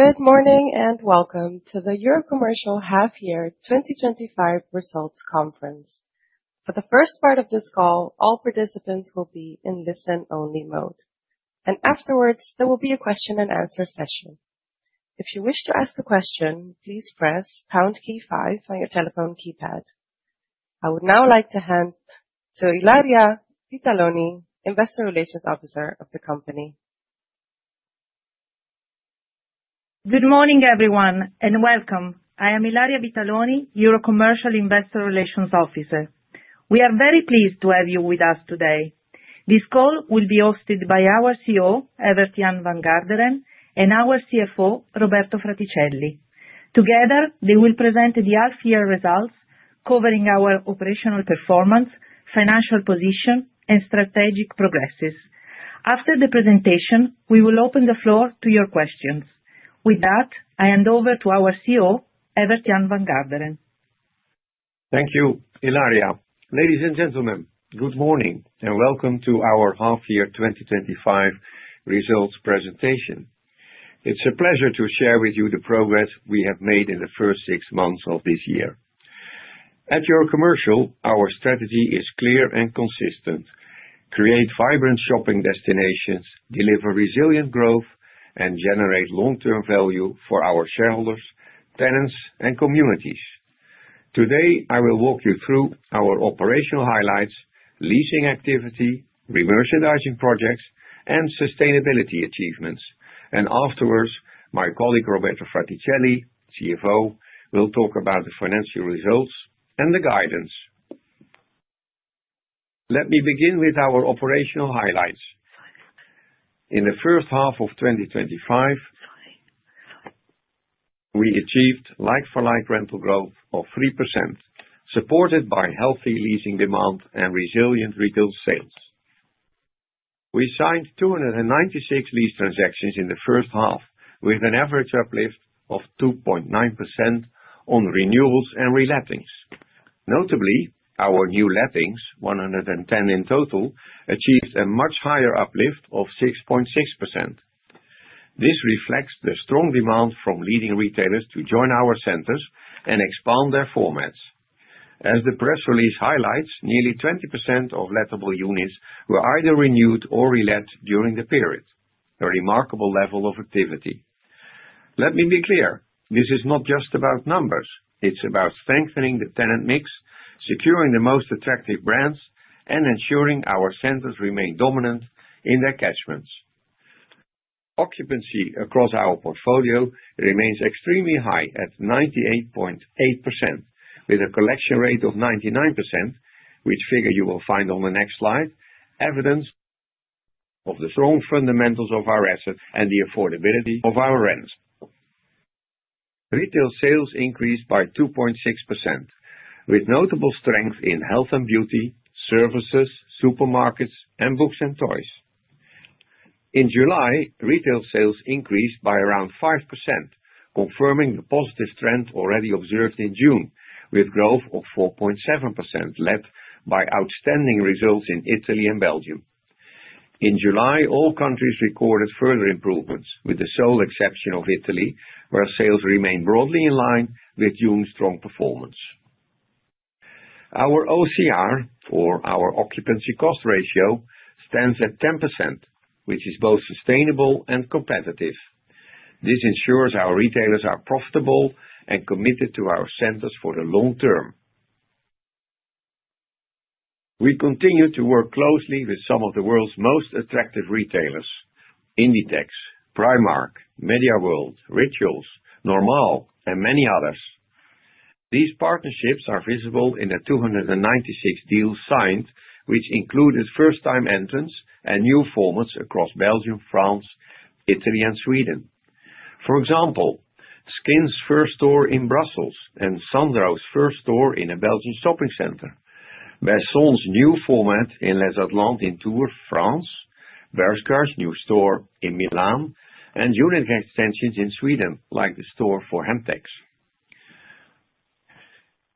Good morning and welcome to the Eurocommercial Properties Half Year 2025 Results Conference. For the first part of this call, all participants will be in listen-only mode. Afterwards, there will be a question and answer session. If you wish to ask a question, please press the pound key five on your telephone keypad. I would now like to hand to Ilaria Vitaloni, Investor Relations Officer of the company. Good morning, everyone, and welcome. I am Ilaria Vitaloni, Eurocommercial Investor Relations Officer. We are very pleased to have you with us today. This call will be hosted by our CEO, Evert Jan van Garderen, and our CFO, Roberto Fraticelli. Together, they will present the half-year results, covering our operational performance, financial position, and strategic progress. After the presentation, we will open the floor to your questions. With that, I hand over to our CEO, Evert Jan van Garderen. Thank you, Ilaria. Ladies and gentlemen, good morning and welcome to our Half Year 2025 Results Presentation. It's a pleasure to share with you the progress we have made in the first six months of this year. At Eurocommercial, our strategy is clear and consistent. Create vibrant shopping destinations, deliver resilient growth, and generate long-term value for our shareholders, tenants, and communities. Today, I will walk you through our operational highlights, leasing activity, remerchandising projects, and sustainability achievements. Afterwards, my colleague Roberto Fraticelli, CFO, will talk about the financial results and the guidance. Let me begin with our operational highlights. In the first half of 2025, we achieved like-for-like rental growth of 3%, supported by healthy leasing demand and resilient retail sales. We signed 296 lease transactions in the first half, with an average uplift of 2.9% on renewals and re-lettings. Notably, our new lettings, 110 in total, achieved a much higher uplift of 6.6%. This reflects the strong demand from leading retailers to join our centers and expand their formats. As the press release highlights, nearly 20% of lettable units were either renewed or re-let during the period, a remarkable level of activity. Let me be clear. This is not just about numbers. It's about strengthening the tenant mix, securing the most attractive brands, and ensuring our centers remain dominant in their catchments. Occupancy across our portfolio remains extremely high at 98.8%, with a collection rate of 99%, which figure you will find on the next slide, evidence of the strong fundamentals of our asset and the affordability of our rents. Retail sales increased by 2.6%, with notable strength in health and beauty, services, supermarkets, and books and toys. In July, retail sales increased by around 5%, confirming the positive strength already observed in June, with growth of 4.7%, led by outstanding results in Italy and Belgium. In July, all countries recorded further improvements, with the sole exception of Italy, where sales remained broadly in line with June's strong performance. Our OCR, or our occupancy cost ratio, stands at 10%, which is both sustainable and competitive. This ensures our retailers are profitable and committed to our centers for the long term. We continue to work closely with some of the world's most attractive retailers. Inditex, Primark, MediaWorld, Rituals, Normal, and many others. These partnerships are visible in the 296 deals signed, which included first-time entrants and new formats across Belgium, France, Italy, and Sweden. For example, Skin's first store in Brussels and Sunrose's first store in a Belgian shopping center, Besson's new format in Les Atlantes in Tours, France, Bershka's new store in Milan, and Uniqlo extensions in Sweden, like the store for Handtacks.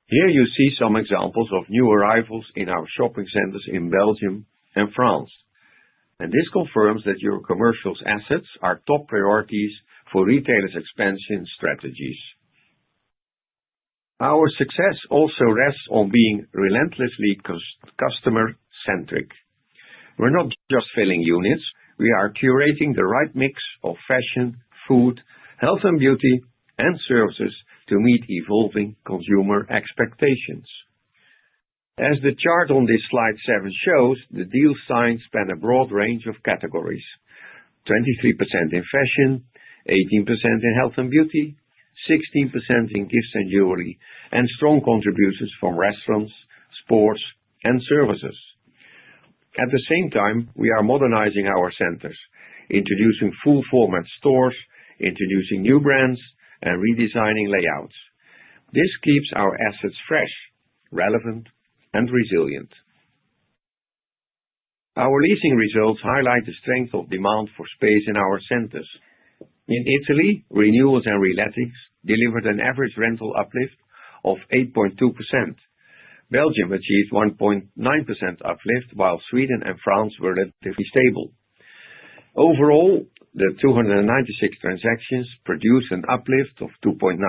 Here you see some examples of new arrivals in our shopping centers in Belgium and France. This confirms that Eurocommercial's assets are top priorities for retailers' expansion strategies. Our success also rests on being relentlessly customer-centric. We're not just filling units; we are curating the right mix of fashion, food, health and beauty, and services to meet evolving consumer expectations. As the chart on this slide seven shows, the deals signed span a broad range of categories. 23% in fashion, 18% in health and beauty, 16% in gifts and jewelry, and strong contributors from restaurants, sports, and services. At the same time, we are modernizing our centers, introducing full-format stores, introducing new brands, and redesigning layouts. This keeps our assets fresh, relevant, and resilient. Our leasing results highlight the strength of demand for space in our centers. In Italy, renewals and re-lettings delivered an average rental uplift of 8.2%. Belgium achieved a 1.9% uplift, while Sweden and France were relatively stable. Overall, the 296 transactions produced an uplift of 2.9%,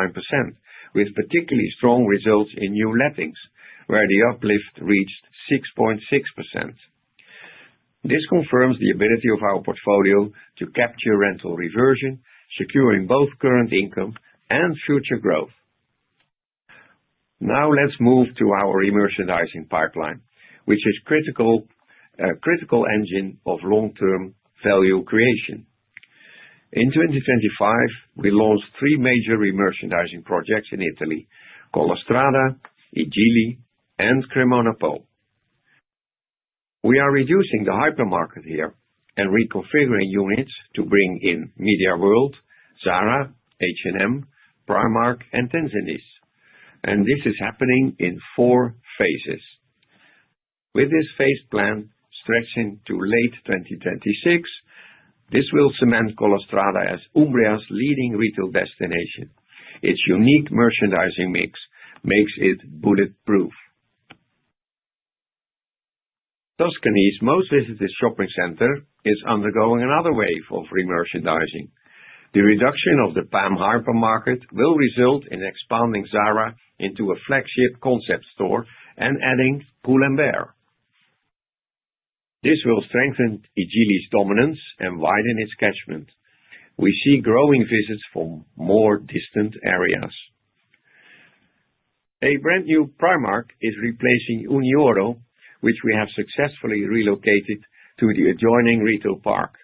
with particularly strong results in new lettings, where the uplift reached 6.6%. This confirms the ability of our portfolio to capture rental reversion, securing both current income and future growth. Now, let's move to our remerchandising pipeline, which is a critical engine of long-term value creation. In 2025, we launched three major remerchandising projects in Italy: Collestrada, I Gigli, and CremonaPo. We are reducing the hypermarket here and reconfiguring units to bring in MediaWorld, Zara, H&M, Primark, and Tezenis. This is happening in four phases. With this phased plan stretching to late 2026, this will cement Collestrada as Umbria's leading retail destination. Its unique merchandising mix makes it bulletproof. Tuscany's most visited shopping center is undergoing another wave of remerchandising. The reduction of the PAM hypermarket will result in expanding Zara into a flagship concept store and adding Pull & Bear. This will strengthen I Gigli's dominance and widen its catchment. We see growing visits from more distant areas. A brand new Primark is replacing Unioro, which we have successfully relocated to the adjoining retail park.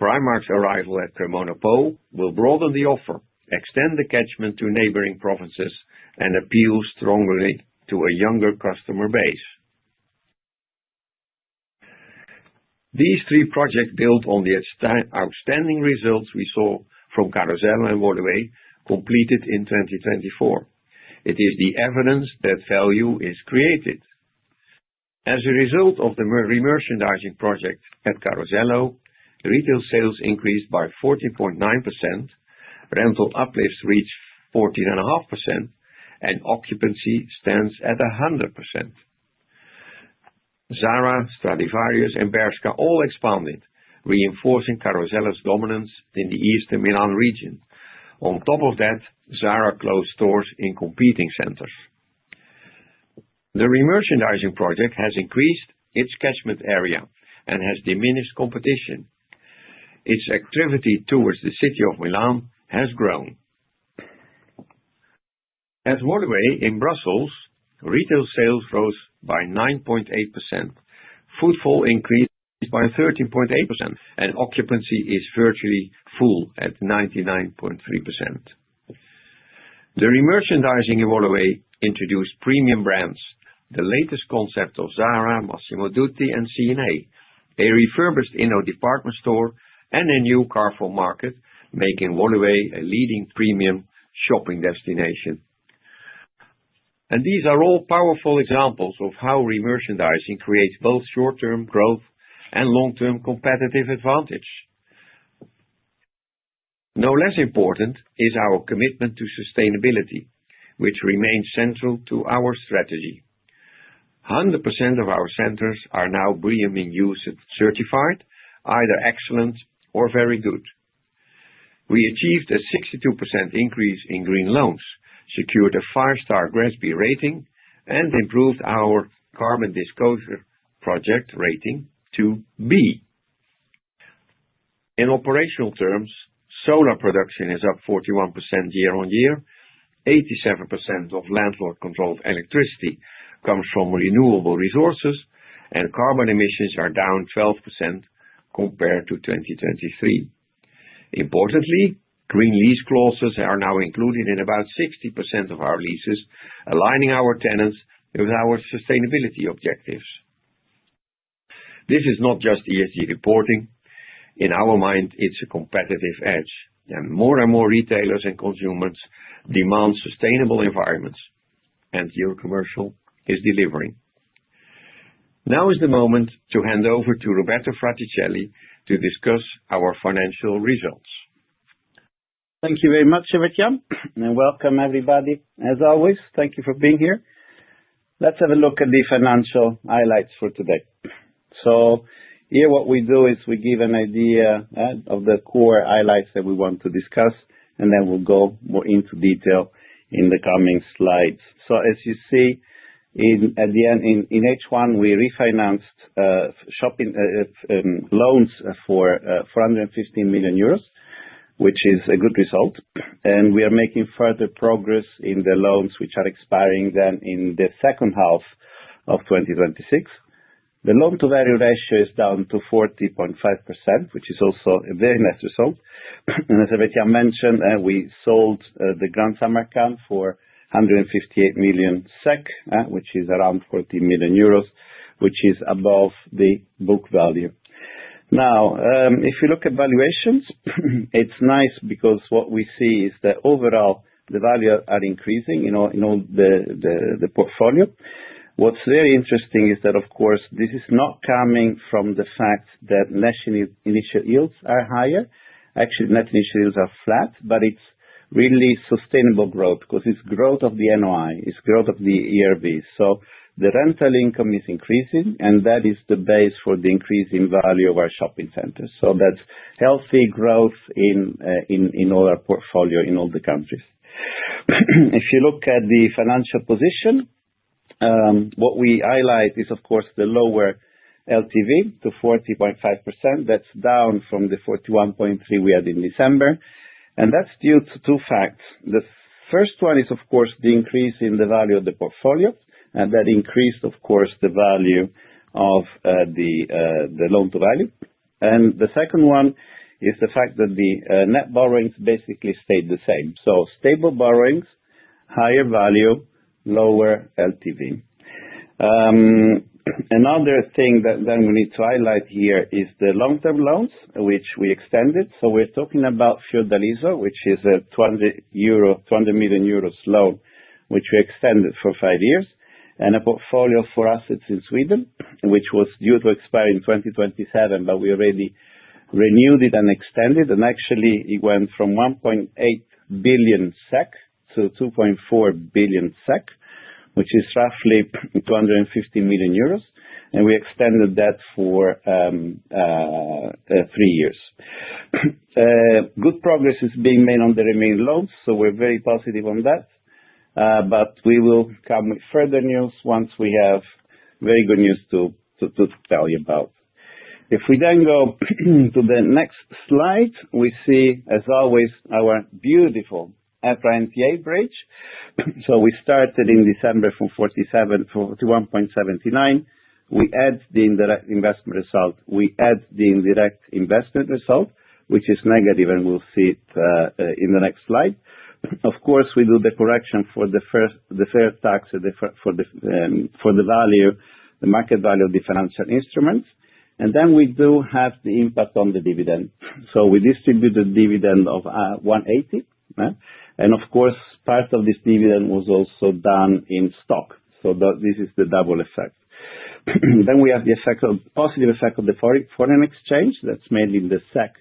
Primark's arrival at CremonaPo will broaden the offer, extend the catchment to neighboring provinces, and appeal strongly to a younger customer base. These three projects build on the outstanding results we saw from Carosello and Woluwe, completed in 2024. It is the evidence that value is created. As a result of the remerchandising project at Carosello, retail sales increased by 14.9%, rental uplifts reached 14.5%, and occupancy stands at 100%. Zara, Stradivarius, and Bershka all expanded, reinforcing Carosello's dominance in the eastern Milan region. On top of that, Zara closed stores in competing centers. The remerchandising project has increased its catchment area and has diminished competition. Its activity towards the city of Milan has grown. At Woluwe in Brussels, retail sales rose by 9.8%, footfall increased by 13.8%, and occupancy is virtually full at 99.3%. The remerchandising in Woluwe introduced premium brands, the latest concept of Zara, Massimo Dutti, and CNA, a refurbished inner department store, and a new Carrefour market, making Woluwe a leading premium shopping destination. These are all powerful examples of how remerchandising creates both short-term growth and long-term competitive advantage. No less important is our commitment to sustainability, which remains central to our strategy. 100% of our centers are now BREEAM-certified, either Excellent or Very Good. We achieved a 62% increase in green loans, secured a five-star GRESB rating, and improved our Carbon Disclosure Project rating to B. In operational terms, solar production is up 41% year-on-year, 87% of landlord-controlled electricity comes from renewable resources, and carbon emissions are down 12% compared to 2023. Importantly, green lease clauses are now included in about 60% of our leases, aligning our tenants with our sustainability objectives. This is not just ESG reporting. In our mind, it's a competitive edge, and more and more retailers and consumers demand sustainable environments, and Eurocommercial is delivering. Now is the moment to hand over to Roberto Fraticelli to discuss our financial results. Thank you very much, Evert Jan, and welcome, everybody. As always, thank you for being here. Let's have a look at the financial highlights for today. Here, what we do is we give an idea of the core highlights that we want to discuss, and then we'll go more into detail in the coming slides. As you see, at the end, in H1, we refinanced shopping loans for 415 million euros, which is a good result. We are making further progress in the loans, which are expiring in the second half of 2026. The loan-to-value ratio is down to 40.5%, which is also a very nice result. As Evert Jan mentioned, we sold the Grand Samarkand for 158 million SEK, which is around 14 million euros, which is above the book value. Now, if you look at valuations, it's nice because what we see is that overall, the values are increasing in all the portfolio. What's very interesting is that, of course, this is not coming from the fact that net initial yields are higher. Actually, net initial yields are flat, but it's really sustainable growth because it's growth of the NOI, it's growth of the ERV. The rental income is increasing, and that is the base for the increase in value of our shopping centers. That's healthy growth in all our portfolio in all the countries. If you look at the financial position, what we highlight is, of course, the lower LTV to 40.5%. That's down from the 41.3% we had in December. That's due to two facts. The first one is, of course, the increase in the value of the portfolio, and that increased, of course, the value of the loan-to-value. The second one is the fact that the net borrowings basically stayed the same. Stable borrowings, higher value, lower LTV. Another thing that we need to highlight here is the long-term loans, which we extended. We're talking about Fiordaliso, which is a 200 million euro loan, which we extended for five years, and a portfolio for assets in Sweden, which was due to expire in 2027, but we already renewed it and extended. It went from 1.8 billion SEK to 2.4 billion SEK, which is roughly 50 million euros. We extended that for three years. Good progress is being made on the remaining loans, so we're very positive on that. We will come with further news once we have very good news to tell you about. If we then go to the next slide, we see, as always, our beautiful EPRA NTA bridge. We started in December from 47-41.79. We add the indirect investment result. We add the indirect investment result, which is negative, and we'll see it in the next slide. Of course, we do the correction for the fair tax for the value, the market value of the financial instruments. We do have the impact on the dividend. We distribute a dividend of 1.80, and of course, part of this dividend was also done in stock. This is the double effect. We have the effect of the positive effect of the foreign exchange. That's mainly the SEK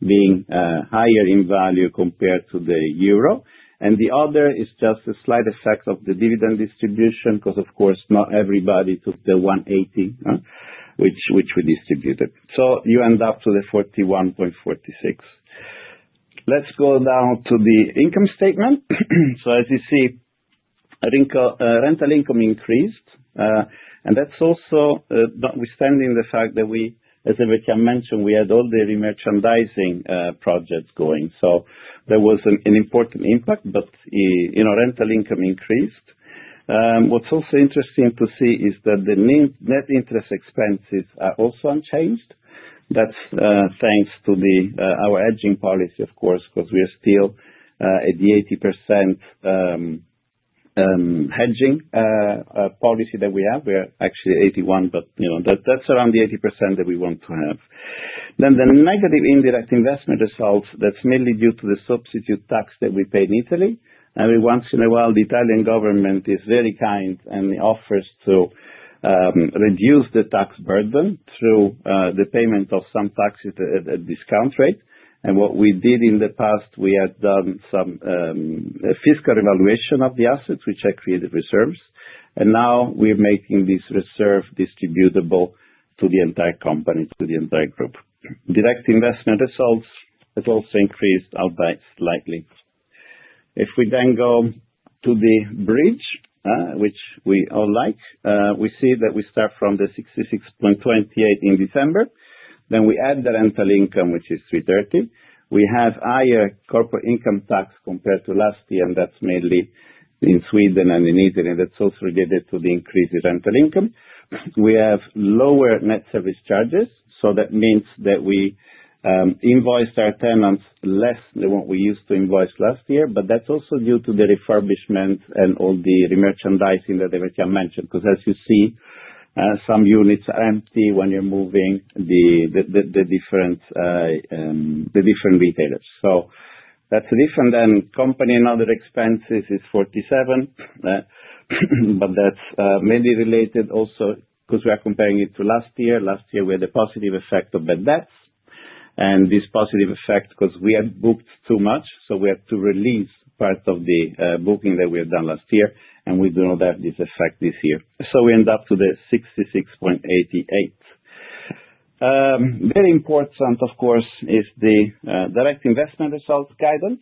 being higher in value compared to the euro. The other is just a slight effect of the dividend distribution because, of course, not everybody took the 1.80, which we distributed. You end up to the 41.46. Let's go down to the income statement. As you see, I think rental income increased, and that's also notwithstanding the fact that we, as Evert Jan van Garderen mentioned, had all the remerchandising projects going. There was an important impact, but rental income increased. What's also interesting to see is that the net interest expenses are also unchanged. That's thanks to our hedging policy, of course, because we are still at the 80% hedging policy that we have. We are actually 81%, but that's around the 80% that we want to have. The negative indirect investment result, that's mainly due to the substitute tax that we pay in Italy. Every once in a while, the Italian government is very kind and offers to reduce the tax burden through the payment of some taxes at a discount rate. What we did in the past, we had done some fiscal evaluation of the assets, which had created reserves. Now we're making this reserve distributable to the entire company, to the entire group. Direct investment results have also increased out by slightly. If we then go to the bridge, which we all like, we see that we start from the 66.28 in December. We add the rental income, which is 330. We have higher corporate income tax compared to last year, and that's mainly in Sweden and in Italy. That's also related to the increase in rental income. We have lower net service charges. That means that we invoice our tenants less than what we used to invoice last year. That's also due to the refurbishment and all the remerchandising that Evert Jan van Garderen mentioned, because as you see, some units are empty when you're moving the different retailers. That's different than company and other expenses. It's 47, but that's mainly related also because we are comparing it to last year. Last year, we had a positive effect of bad debts. This positive effect was because we had booked too much, so we had to release part of the booking that we had done last year. We do not have this effect this year, so we end up at 66.88. Very important, of course, is the direct investment result guidance.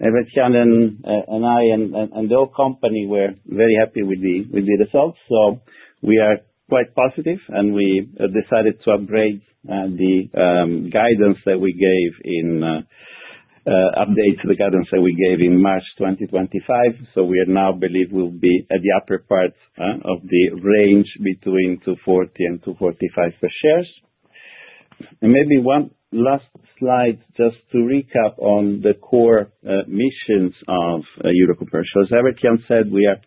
Evert Jan and I and the whole company were very happy with the results. We are quite positive, and we decided to upgrade the guidance that we gave in updates to the guidance that we gave in March 2025. We now believe we'll be at the upper part of the range between 2.40 and 2.45 per share. Maybe one last slide just to recap on the core missions of Eurocommercial. As Evert Jan said, we are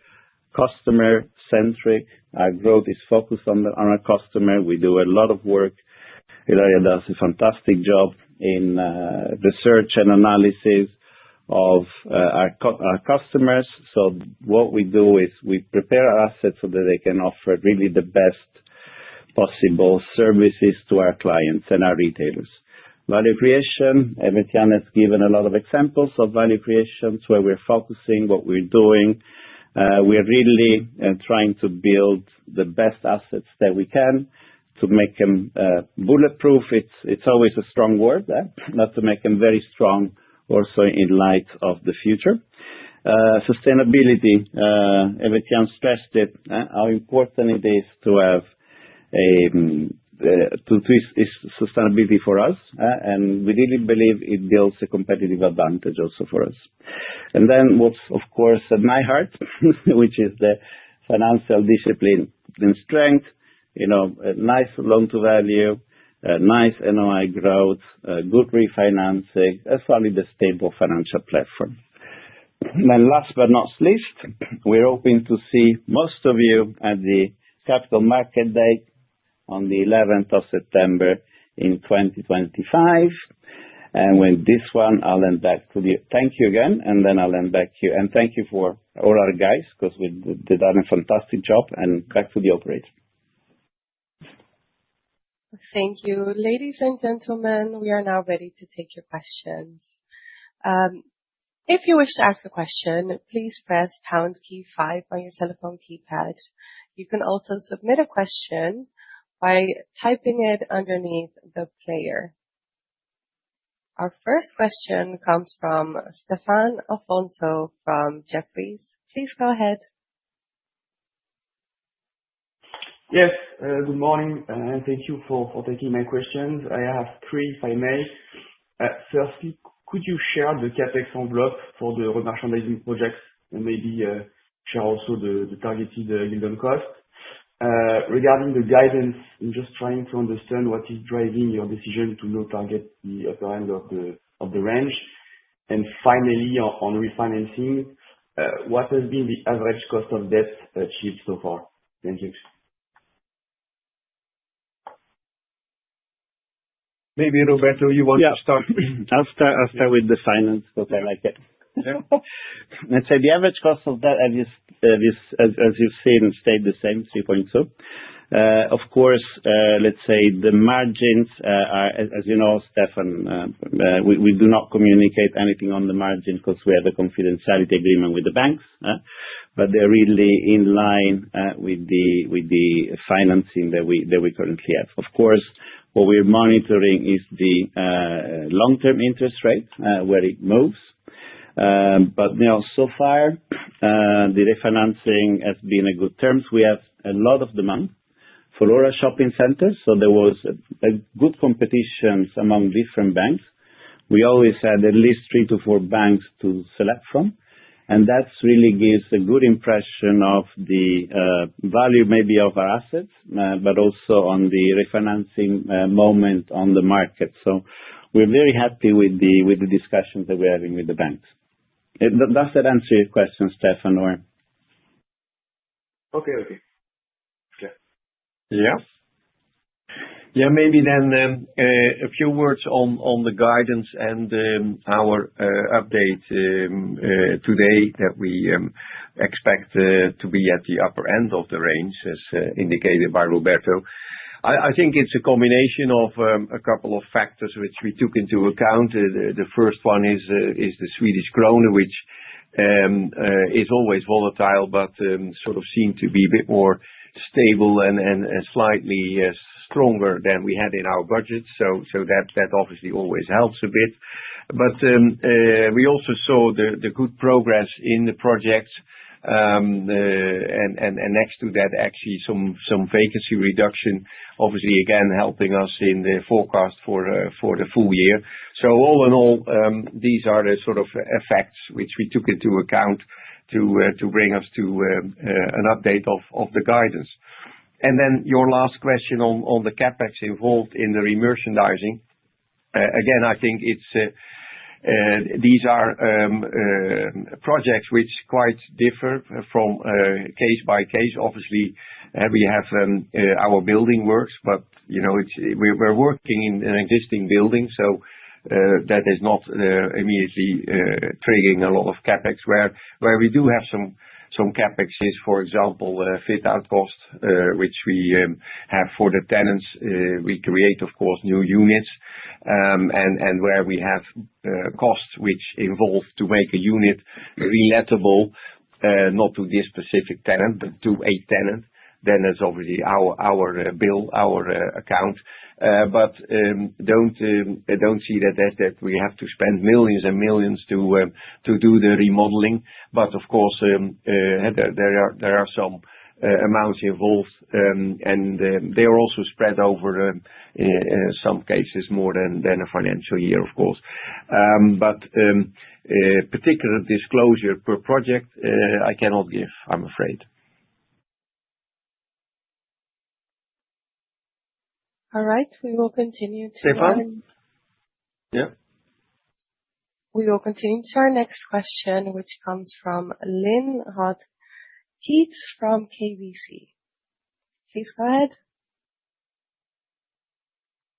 customer-centric. Our growth is focused on our customer. We do a lot of work. Ilaria does a fantastic job in the search and analysis of our customers. What we do is we prepare our assets so that they can offer really the best possible services to our clients and our retailers. Value creation, Evert Jan has given a lot of examples of value creation where we're focusing what we're doing. We are really trying to build the best assets that we can to make them bulletproof. It's always a strong word, to make them very strong also in light of the future. Sustainability, Evert Jan stressed it, how important it is to have sustainability for us. We really believe it builds a competitive advantage also for us. What's, of course, at my heart, which is the financial discipline and strength, you know, a nice loan-to-value, a nice NOI growth, good refinancing, as well as a stable financial platform. Last but not least, we're hoping to see most of you at the Capital Market Day on September 11th, 2025. With this one, I'll end that. Thank you again. I'll end back here. Thank you for all our guys because we did a fantastic job. Back to the operator. Thank you. Ladies and gentlemen, we are now ready to take your questions. If you wish to ask a question, please press the pound key five on your telephone keypad. You can also submit a question by typing it underneath the player. Our first question comes from Stephane Afonso from Jefferies. Please go ahead. Yes. Good morning. Thank you for taking my questions. I have three, if I may. Firstly, could you share the CapEx envelopes for the remerchandising projects and maybe share also the targeted yield and cost? Regarding the guidance, I'm just trying to understand what is driving your decision to not target the upper end of the range. Finally, on refinancing, what has been the average cost of debt achieved so far? Thank you. Maybe Roberto, you want to start? I'll start with the finance, but I like it. Let's say the average cost of debt, as you've seen, stayed the same, 3.2%. Of course, let's say the margins are, as you know, Stephane, we do not communicate anything on the margins because we have a confidentiality agreement with the banks. They're really in line with the financing that we currently have. What we're monitoring is the long-term interest rate, where it moves. So far, the refinancing has been a good term. We have a lot of demand for our shopping centers. There was good competition among different banks. We always had at least three to four banks to select from. That really gives a good impression of the value maybe of our asset, but also on the refinancing moment on the market. We're very happy with the discussions that we're having with the banks. Does that answer your question, Stephane, or? Okay. Maybe then a few words on the guidance and our update today that we expect to be at the upper end of the range, as indicated by Roberto. I think it's a combination of a couple of factors which we took into account. The first one is the Swedish krona, which is always volatile, but sort of seemed to be a bit more stable and slightly stronger than we had in our budget. That obviously always helps a bit. We also saw the good progress in the projects. Next to that, actually, some vacancy reduction, obviously, again, helping us in the forecast for the full year. All in all, these are the sort of effects which we took into account to bring us to an update of the guidance. Your last question on the CapEx involved in the remerchandising. I think these are projects which quite differ from case to case. Obviously, we have our building works, but you know we're working in an existing building. That is not immediately triggering a lot of CapEx. Where we do have some CapEx is, for example, fit-out cost, which we have for the tenants. We create, of course, new units. Where we have costs which involve to make a unit relettable, not to this specific tenant, but to a tenant, then it's obviously our bill, our account. Don't see that we have to spend millions and millions to do the remodeling. Of course, there are some amounts involved. They are also spread over, in some cases, more than a financial year, of course. Particular disclosure per project, I cannot give, I'm afraid. All right, we will continue. Stefan? Yeah? We will continue to our next question, which comes from Lynn Hautekeete from KBC. Please go ahead.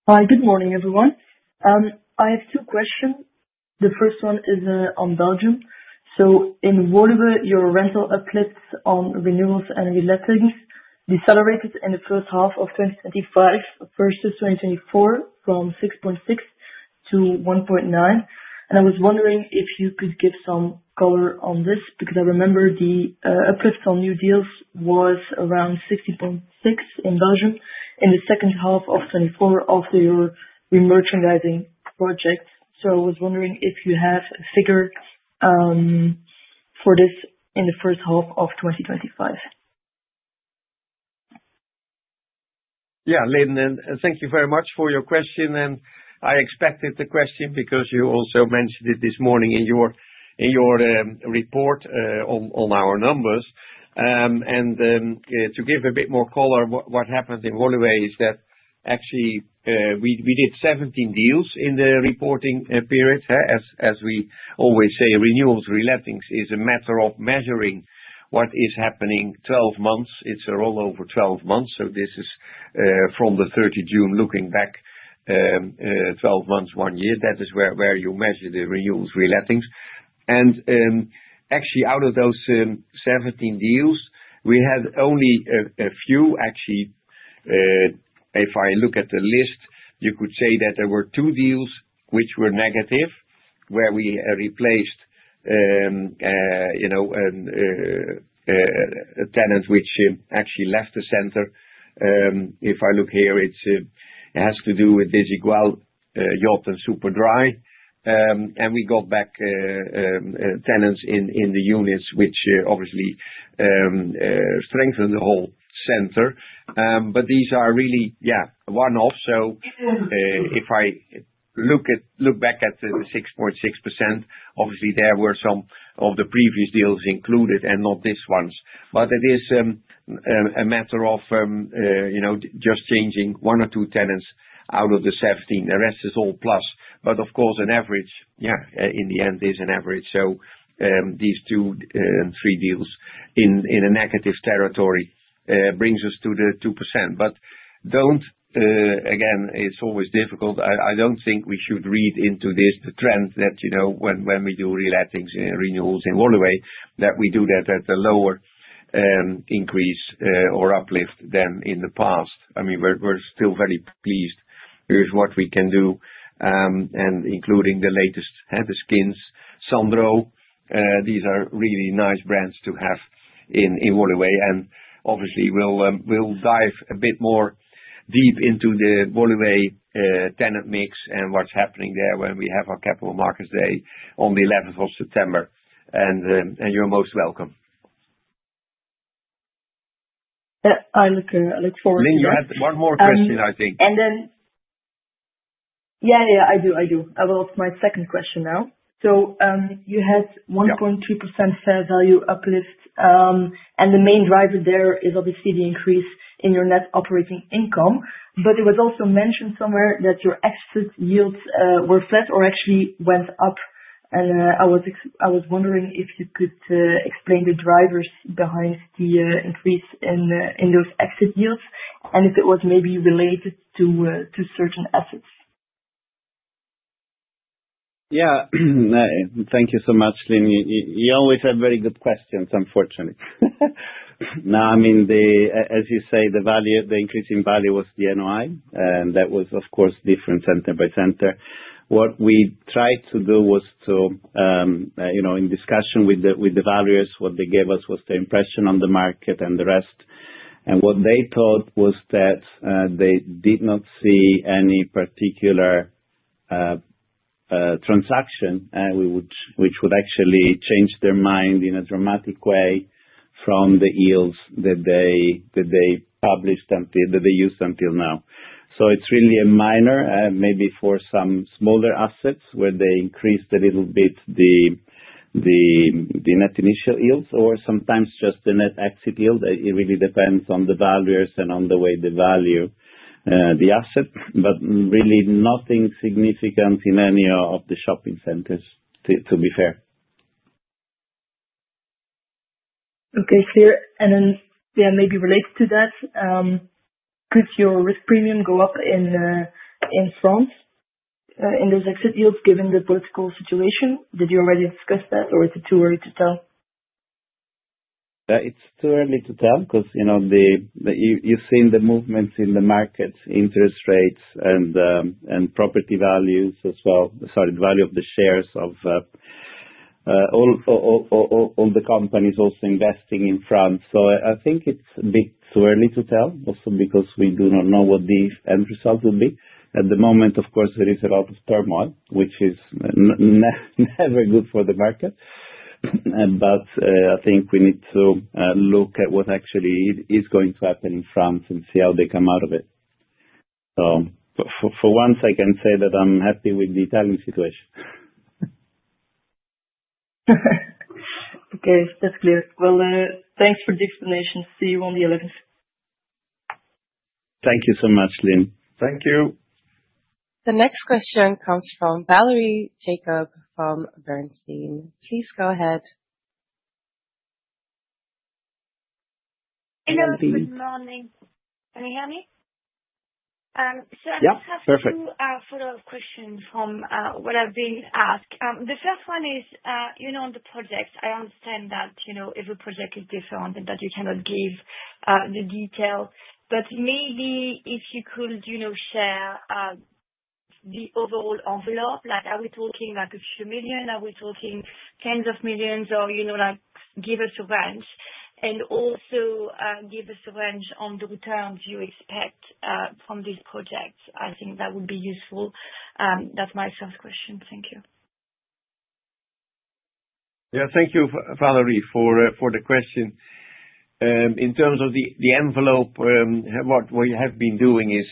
Hi. Good morning, everyone. I have two questions. The first one is on Belgium. In Woluwe, your rental uplifts on renewals and re-lettings decelerated in the first half of 2025 versus 2024 from 6.6% to 1.9%. I was wondering if you could give some color on this because I remember the uplifts on new deals were around 6.6% in Belgium in the second half of 2024 after your remerchandising project. I was wondering if you have a figure for this in the first half of 2025. Yeah, Lynn, thank you very much for your question. I expected the question because you also mentioned it this morning in your report on our numbers. To give a bit more color, what happened in Woluwe is that actually, we did 17 deals in the reporting period. As we always say, renewals, re-lettings is a matter of measuring what is happening 12 months. It's a rollover 12 months. This is from the 30th of June, looking back 12 months, one year. That is where you measure the renewals, re-lettings. Out of those 17 deals, we had only a few. If I look at the list, you could say that there were two deals which were negative, where we replaced a tenant which actually left the center. If I look here, it has to do with Desigual, Yacht, and Superdry. We got back tenants in the units, which obviously strengthened the whole center. These are really one-off. If I look back at the 6.6%, there were some of the previous deals included and not these ones. It is a matter of just changing one or two tenants out of the 17. The rest is all plus. Of course, an average, in the end, is an average. These two and three deals in a negative territory bring us to the 2%. Again, it's always difficult. I don't think we should read into this the trend that, you know, when we do re-lettings and renewals in Woluwe, that we do that at a lower increase or uplift than in the past. I mean, we're still very pleased with what we can do, including the latest, the Skin, Sandro. These are really nice brands to have in Woluwe. Obviously, we'll dive a bit more deep into the Woluwe tenant mix and what's happening there when we have our Capital Markets Day on the 11th of September. You're most welcome. I look forward to it. Lynn, you had one more question, I think. I do. About my second question now. You had 1.2% fair value uplift, and the main driver there is obviously the increase in your net operating income. It was also mentioned somewhere that your exit yields were flat or actually went up. I was wondering if you could explain the drivers behind the increase in those exit yields and if it was maybe related to certain assets. Thank you so much, Lynn. You always have very good questions, unfortunately. No, I mean, as you say, the increase in value was the NOI. That was, of course, different center by center. What we tried to do was to, in discussion with the valuers, what they gave us was their impression on the market and the rest. What they thought was that they did not see any particular transaction which would actually change their mind in a dramatic way from the yields that they published and that they used until now. It's really a minor, maybe for some smaller assets where they increased a little bit the net initial yields or sometimes just the net exit yield. It really depends on the valuers and on the way they value the asset. Really, nothing significant in any of the shopping centers, to be fair. Okay. Maybe related to that, could your risk premium go up in France in those exit yields given the political situation? Did you already discuss that, or is it too early to tell? It's too early to tell because you've seen the movements in the markets, interest rates, and property values as well. The value of the shares of all the companies also investing in France. I think it's a bit too early to tell, also because we do not know what the end result will be. At the moment, of course, there is a lot of turmoil, which is never good for the market. I think we need to look at what actually is going to happen in France and see how they come out of it. For once, I can say that I'm happy with the Italian situation. Okay. That's clear. Thanks for the explanation. See you on the 11th. Thank you so much, Lynn Hautekeete. Thank you. The next question comes from Valerie Jacob from Bernstein. Please go ahead. Hello, good morning. Can you hear me? Yes, perfect. I just have two follow-up questions from what I've been asked. The first one is, you know, on the projects, I understand that every project is different and that you cannot give the detail. Maybe if you could share the overall envelope, like are we talking like a few million? Are we talking tens of millions, or, you know, give us a range? Also, give us a range on the returns you expect from these projects. I think that would be useful. That's my first question. Thank you. Yeah. Thank you, Valerie, for the question. In terms of the envelope, what we have been doing is,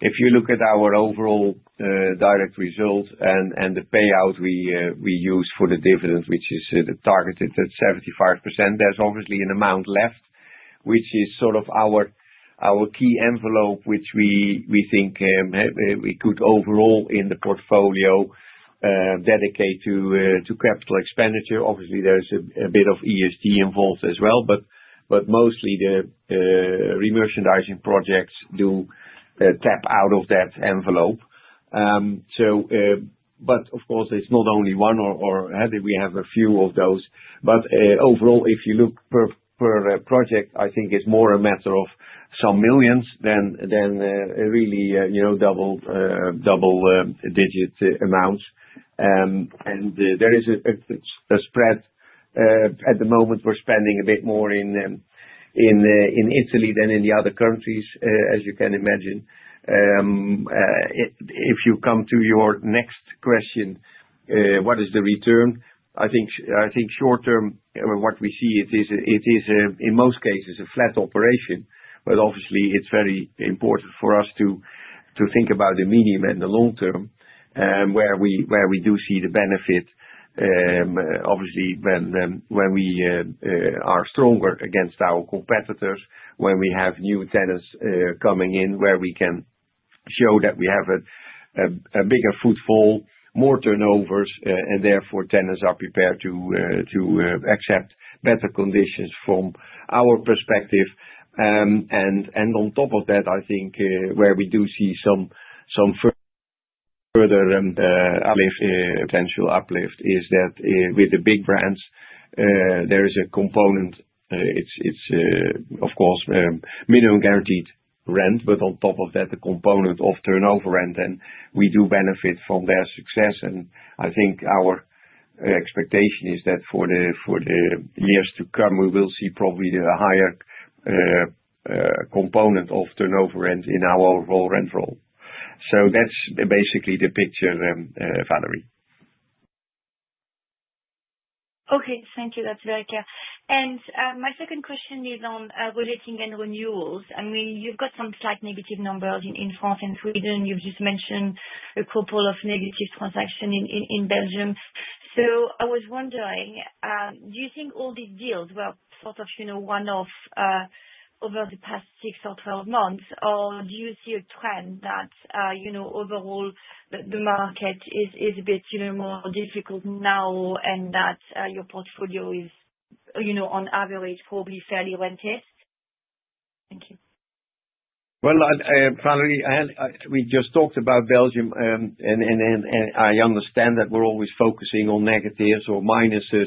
if you look at our overall direct result and the payout we use for the dividend, which is targeted at 75%, there's obviously an amount left, which is sort of our key envelope, which we think we could overall in the portfolio dedicate to CapEx. Obviously, there's a bit of ESG involved as well, but mostly the remerchandising projects do tap out of that envelope. Of course, it's not only one, or we have a few of those. Overall, if you look per project, I think it's more a matter of some millions than a really double-digit amount. There is a spread. At the moment, we're spending a bit more in Italy than in the other countries, as you can imagine. If you come to your next question, what is the return? I think short term, what we see is, in most cases, a flat operation. Obviously, it's very important for us to think about the medium and the long term, where we do see the benefit. Obviously, when we are stronger against our competitors, when we have new tenants coming in, where we can show that we have a bigger footfall, more turnovers, and therefore tenants are prepared to accept better conditions from our perspective. On top of that, I think where we do see some further and eventual uplift is that with the big brands, there is a component. It's, of course, minimum guaranteed rent. On top of that, the component of turnover rent. We do benefit from their success. I think our expectation is that for the years to come, we will see probably the higher component of turnover rent in our overall rent roll. That's basically the picture, Valerie. Okay. Thank you. That's very clear. My second question is on rolling and renewals. You've got some slight negative numbers in France and Sweden. You've just mentioned a couple of negative transactions in Belgium. I was wondering, do you think all these deals were one-off over the past 6 or 12 months, or do you see a trend that overall the market is a bit more difficult now and that your portfolio is, on average, probably fairly rented? Thank you. Valerie, we just talked about Belgium, and I understand that we're always focusing on negatives or minuses.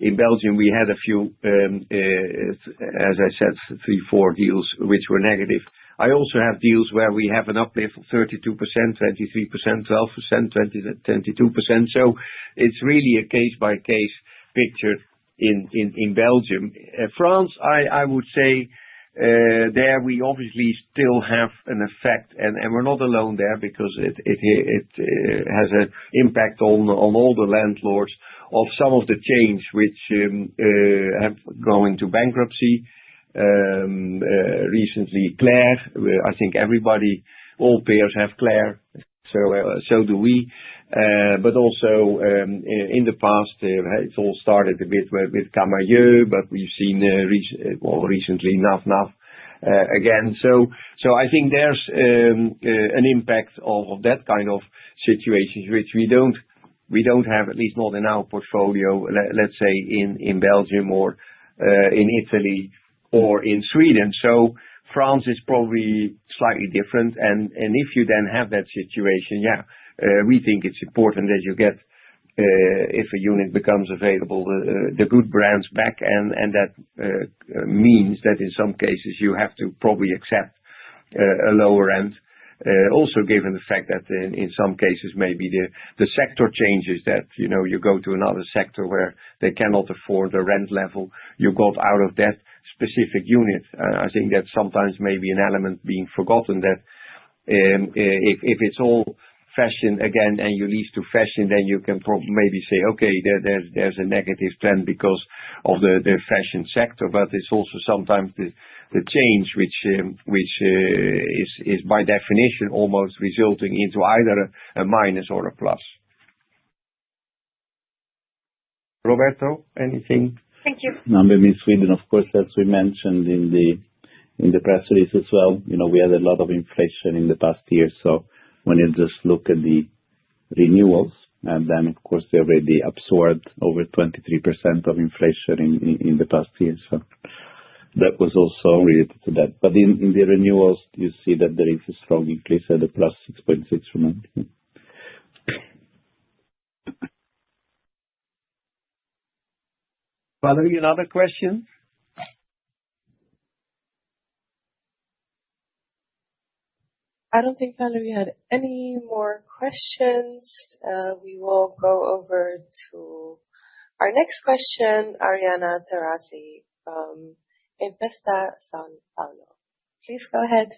In Belgium, we had a few, as I said, three, four deals which were negative. I also have deals where we have an uplift of 32%, 23%, 12%, 22%. It is really a case-by-case picture in Belgium. France, I would say, there we obviously still have an effect, and we're not alone there because it has an impact on all the landlords of some of the chains which have gone into bankruptcy. Recently, Claire's, I think everybody, all payers have Claire's, so do we. In the past, it all started a bit with Camaïeu, but we've seen recently Naf Naf again. I think there's an impact of that kind of situation, which we don't have, at least not in our portfolio, let's say in Belgium or in Italy or in Sweden. France is probably slightly different. If you then have that situation, we think it's important that you get, if a unit becomes available, the good brands back. That means that in some cases, you have to probably accept a lower end. Also, given the fact that in some cases, maybe the sector changes, that you go to another sector where they cannot afford the rent level you got out of that specific unit. I think that sometimes may be an element being forgotten, that if it's all fashion again and you lease to fashion, then you can maybe say, okay, there's a negative trend because of the fashion sector. It is also sometimes the change, which is by definition almost resulting into either a minus or a plus. Roberto, anything? Thank you. I'm in Sweden, of course, as we mentioned in the press release as well. You know, we had a lot of inflation in the past year. When you just look at the renewals, they already absorbed over 23% of inflation in the past year. That was also related to that. In the renewals, you see that there is a strong increase at the +6.6% remotely. Valerie, another question? I don't think Valerie had any more questions. We will go over to our next question, Ariana Terrazzi at Intesa Sanpaolo. Please go ahead.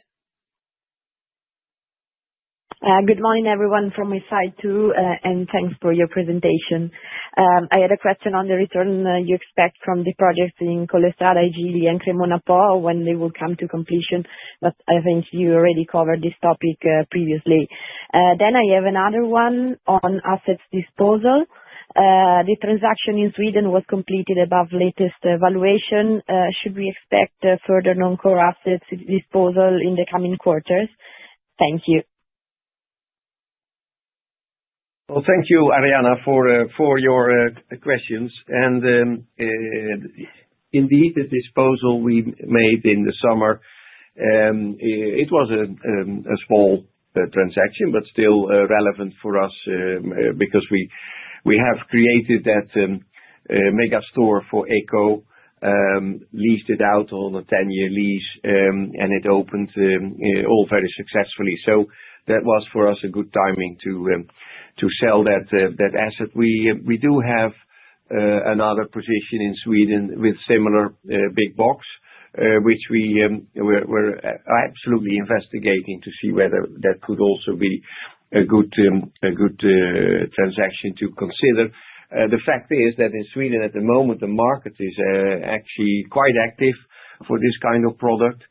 Good morning, everyone, from my side too, and thanks for your presentation. I had a question on the return you expect from the projects in Collestrada, I Gigli, and CremonaPo when they will come to completion. I think you already covered this topic previously. I have another one on assets disposal. The transaction in Sweden was completed above latest valuation. Should we expect further non-core assets disposal in the coming quarters? Thank you. Thank you, Ariana, for your questions. Indeed, the disposal we made in the summer was a small transaction, but still relevant for us because we have created that megastore for Eco, leased it out on a 10-year lease, and it opened all very successfully. That was for us good timing to sell that asset. We do have another position in Sweden with a similar big box, which we were absolutely investigating to see whether that could also be a good transaction to consider. The fact is that in Sweden, at the moment, the market is actually quite active for this kind of product.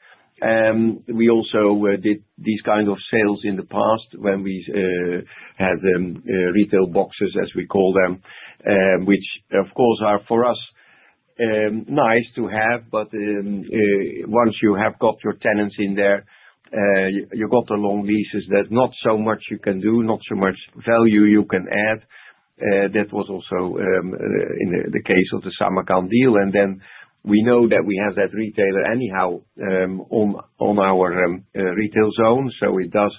We also did these kinds of sales in the past when we had retail boxes, as we call them, which, of course, are for us nice to have. Once you have got your tenants in there, you got the long leases, there's not so much you can do, not so much value you can add. That was also in the case of the Grand Samarkand deal. We know that we have that retailer anyhow on our retail zone. It does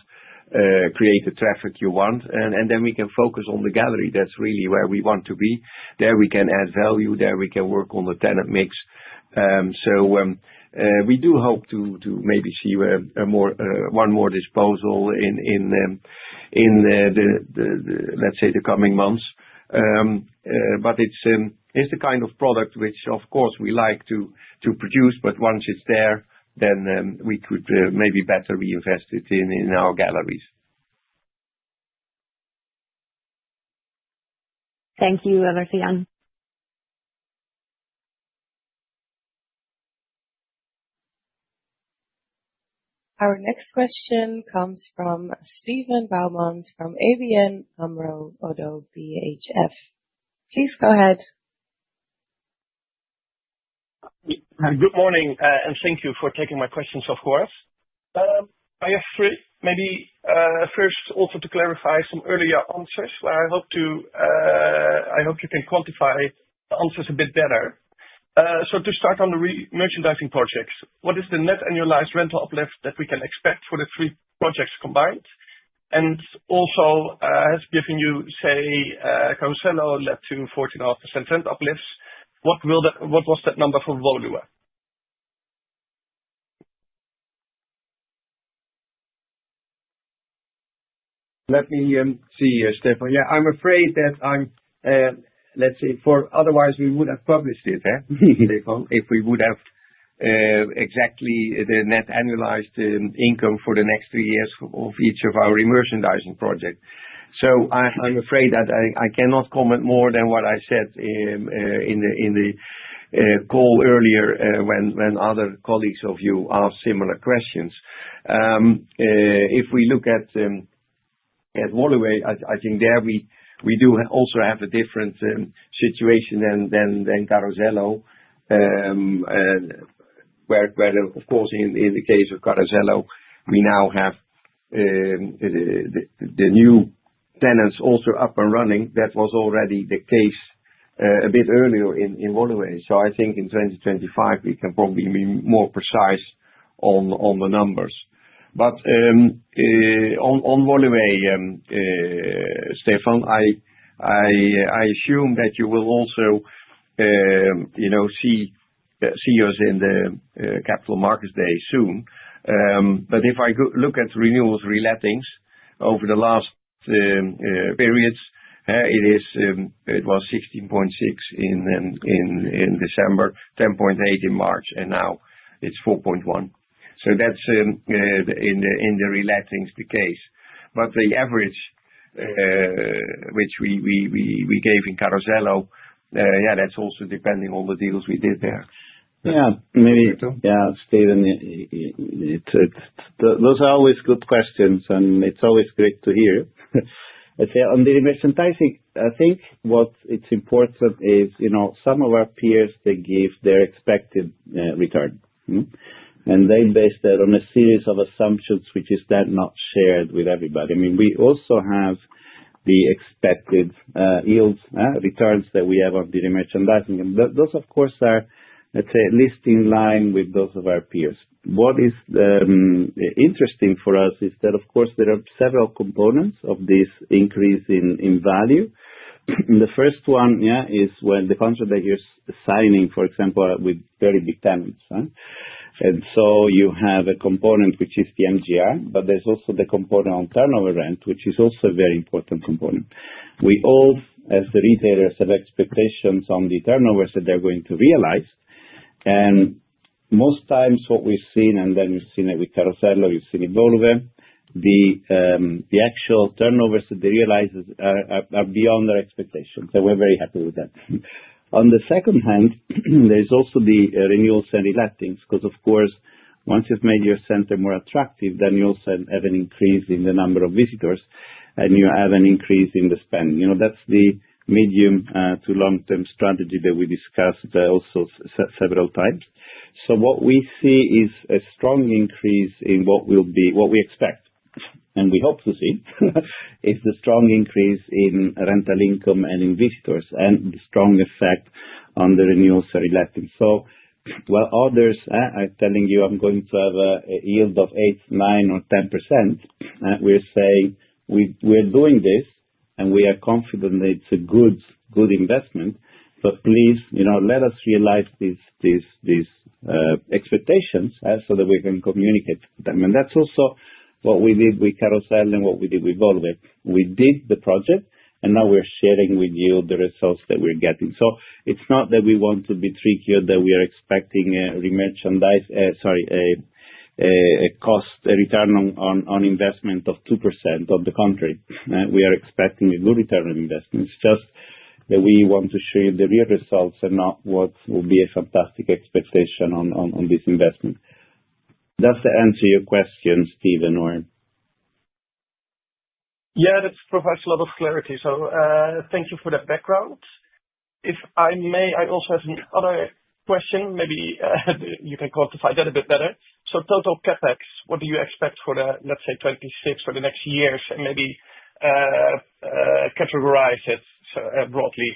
create the traffic you want, and we can focus on the gallery. That's really where we want to be. There we can add value. There we can work on the tenant mix. We do hope to maybe see one more disposal in, let's say, the coming months. It's the kind of product which, of course, we like to produce, but once it's there, then we could maybe better reinvest it in our galleries. Thank you, Evert Jan van Garderen. Our next question comes from Steven Beaumont from ABN AMRO ODDO BHF. Please go ahead. Good morning, and thank you for taking my questions, of course. I have three. Maybe first, also to clarify some earlier answers where I hope you can quantify the answers a bit better. To start on the remerchandising projects, what is the net annualized rental uplift that we can expect for the three projects combined? Also, as given you say Carosello led to 14% rent uplifts, what was that number for Woluwe? Let me see here, Stefan. I'm afraid that, let's say, otherwise we would have published it, Stephane, if we would have exactly the net annualized income for the next three years of each of our remerchandising projects. I'm afraid that I cannot comment more than what I said in the call earlier when other colleagues of you asked similar questions. If we look at Woluwe, I think there we do also have a different situation than Carosello, where, of course, in the case of Carosello, we now have the new tenants also up and running. That was already the case a bit earlier in Woluwe. I think in 2025, we can probably be more precise on the numbers. On Woluwe, Stefan, I assume that you will also see us in the Capital Markets Day soon. If I look at renewals, re-lettings over the last periods, it was 16.6% in December, 10.8% in March, and now it's 4.1%. That's in the re-lettings the case. The average which we gave in Carosello, that's also depending on the deals we did there. Yeah. Maybe, yeah, Steven, those are always good questions, and it's always great to hear. I'd say on the remerchandising, I think what is important is, you know, some of our peers, they give their expected return. They base that on a series of assumptions, which is then not shared with everybody. I mean, we also have the expected yields, returns that we have on the remerchandising. Those, of course, are, let's say, at least in line with those of our peers. What is interesting for us is that, of course, there are several components of this increase in value. The first one is when the contractor is signing, for example, with very big tenants. You have a component which is the MGR, but there's also the component on turnover rent, which is also a very important component. We all, as the retailers, have expectations on the turnovers that they're going to realize. Most times what we've seen, and we've seen it with Carosello, we've seen it with Woluwe, the actual turnovers that they realize are beyond their expectations. We're very happy with that. On the second hand, there's also the renewals and re-lettings because, of course, once you've made your center more attractive, then you also have an increase in the number of visitors, and you have an increase in the spend. You know, that's the medium to long-term strategy that we discussed also several times. What we see is a strong increase in what we expect, and we hope to see, is the strong increase in rental income and in visitors and the strong effect on the renewals and re-lettings. While others are telling you I'm going to have a yield of 8%, 9%, or 10%, we're saying we're doing this, and we are confident that it's a good investment. Please, you know, let us realize these expectations so that we can communicate them. That's also what we did with Carosello and what we did with Woluwe. We did the project, and now we're sharing with you the results that we're getting. It's not that we want to be tricky, or that we are expecting a remerchandise, sorry, a cost return on investment of 2%. On the contrary, we are expecting a good return on investment. It's just that we want to share the real results and not what will be a fantastic expectation on this investment. Does that answer your question, Steven? Yeah, that provides a lot of clarity. Thank you for that background. If I may, I also have another question. Maybe you can quantify that a bit better. Total CapEx, what do you expect for the, let's say, 2026 for the next year? Maybe categorize it broadly.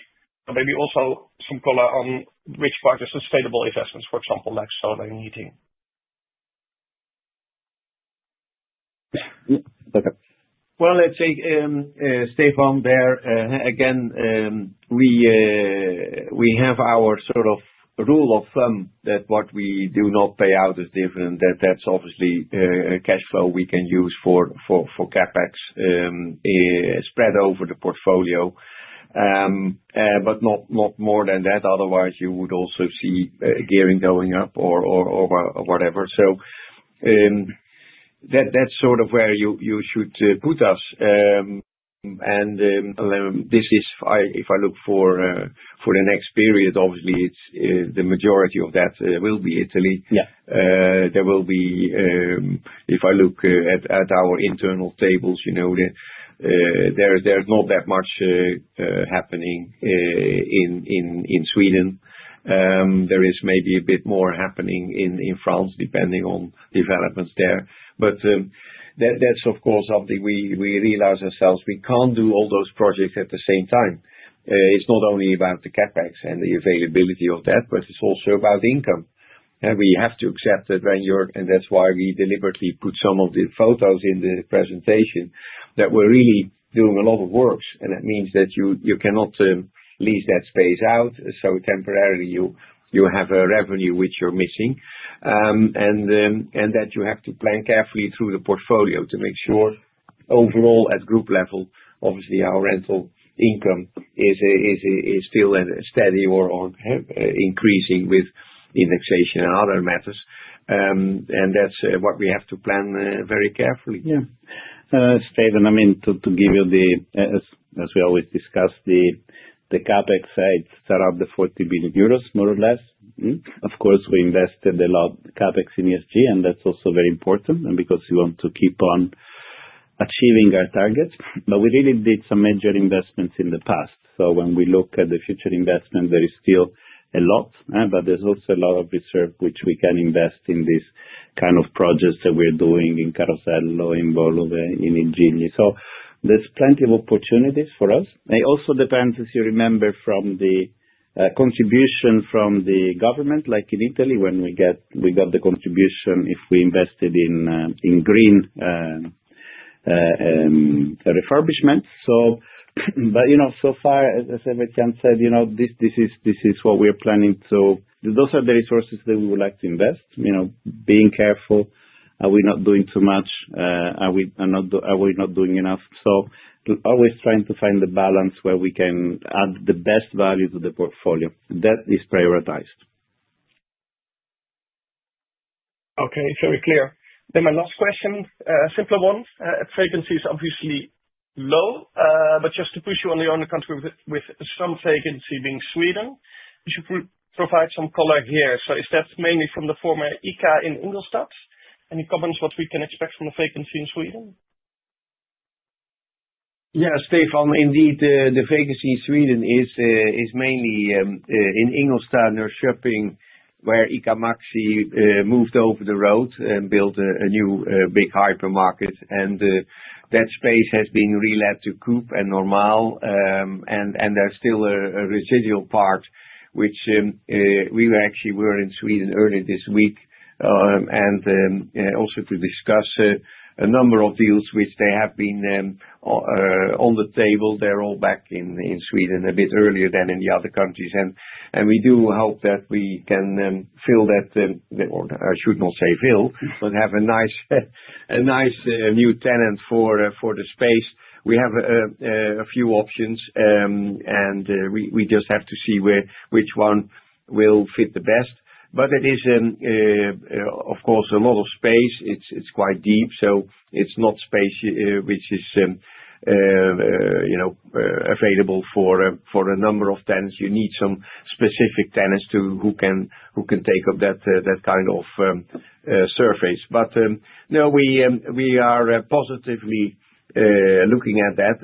Maybe also some color on which part is sustainable investments, for example, like solar and heating. Okay. Let's see, Steven, again, we have our sort of rule of thumb that what we do not pay out is different. That's obviously a cash flow we can use for CapEx spread over the portfolio, but not more than that. Otherwise, you would also see gearing going up or whatever. That's sort of where you should put us. If I look for the next period, obviously, the majority of that will be Italy. If I look at our internal tables, you know that there's not that much happening in Sweden. There is maybe a bit more happening in France, depending on developments there. That's, of course, something we realize ourselves. We can't do all those projects at the same time. It's not only about the CapEx and the availability of that, but it's also about income. We have to accept that when you're, and that's why we deliberately put some of the photos in the presentation, that we're really doing a lot of work. That means that you cannot lease that space out. Temporarily, you have a revenue which you're missing. You have to plan carefully through the portfolio to make sure overall at group level, obviously, our rental income is still steady or increasing with indexation and other matters. That's what we have to plan very carefully. Yeah. Steven, I mean, to give you the, as we always discuss, the CapEx, it's around the 40 million euros, more or less. Of course, we invested a lot in CapEx in ESG, and that's also very important because we want to keep on achieving our targets. We really did some major investments in the past. When we look at the future investment, there is still a lot. There's also a lot of reserve which we can invest in these kinds of projects that we're doing in Carosello, in Woluwe, in I Gigli. There's plenty of opportunities for us. It also depends, as you remember, on the contribution from the government, like in Italy, when we got the contribution if we invested in green refurbishments. As Evert Jan said, this is what we're planning to, those are the resources that we would like to invest. You know, being careful, are we not doing too much? Are we not doing enough? Always trying to find the balance where we can add the best value to the portfolio. That is prioritized. Okay. Very clear. My last question, a simple one. Fragrancy is obviously low, but just to push you on the only country with some fragrancy being Sweden, could you provide some color here? Is that mainly from the former ICA in Grand Samarkand? Any comments on what we can expect from the fragrancy in Sweden? Yeah, Steven, indeed, the vacancy in Sweden is mainly in Grand Samarkand near Växjö, where ICA Maxi moved over the road and built a new big hypermarket. That space has been relet to Coop and Normal. There's still a residual part, which we actually were in Sweden earlier this week to discuss a number of deals which have been on the table. They're all back in Sweden a bit earlier than in the other countries. We do hope that we can fill that, or I should not say fill, but have a nice new tenant for the space. We have a few options, and we just have to see which one will fit the best. It is, of course, a lot of space. It's quite deep. It's not space which is available for a number of tenants. You need some specific tenants who can take up that kind of surface. We are positively looking at that.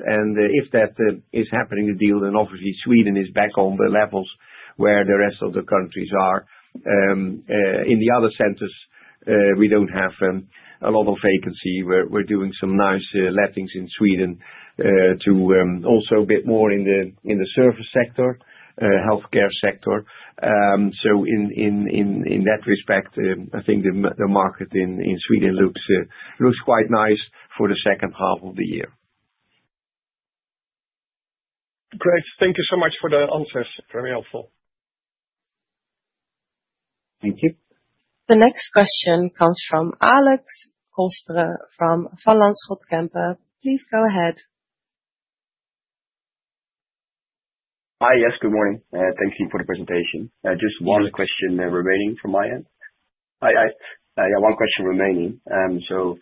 If that is happening in the deal, then obviously Sweden is back on the levels where the rest of the countries are. In the other centers, we don't have a lot of vacancy. We're doing some nice lettings in Sweden, also a bit more in the service sector, healthcare sector. In that respect, I think the market in Sweden looks quite nice for the second half of the year. Great. Thank you so much for the answers. Very helpful. Thank you. The next question comes from Rixt Hoekstra from Van Lanschot Kempen. Please go ahead. Hi. Yes, good morning. Thank you for the presentation. I have one question remaining. If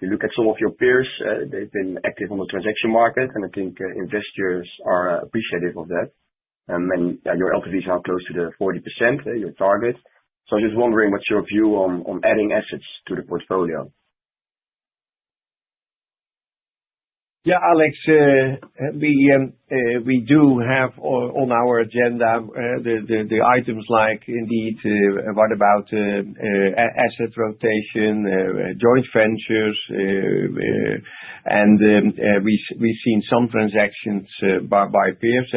you look at some of your peers, they've been active on the transaction market, and I think investors are appreciative of that. Your LTVs are close to the 40% target. I was just wondering what's your view on adding assets to the portfolio? Yeah, Rixt, we do have on our agenda the items like indeed what about asset rotation, joint ventures. We've seen some transactions by peers.